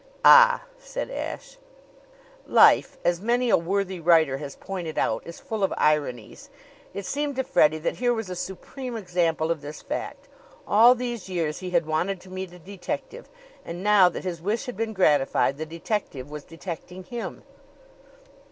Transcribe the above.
"Ah!" said Ashe. Life, as many a worthy writer has pointed out, is full of ironies. It seemed to Freddie that here was a supreme example of this fact. All these years he had wanted to meet a detective; and now that his wish had been gratified the detective was detecting him!